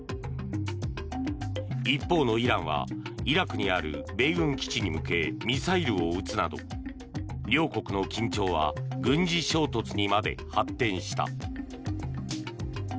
一方のイランはイラクにある米軍基地に向けミサイルを撃つなど両国の緊張は軍事衝突にまで発展した。